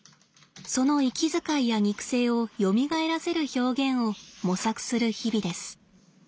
その息遣いや肉声をよみがえらせる表現を模索する日々です。